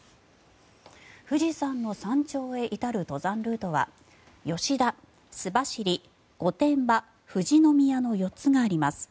富士山の山頂へ至る登山ルートは吉田、須走、御殿場富士宮の４つがあります。